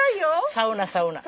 サウナサウナ。